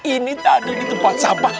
ini tadi di tempat sampah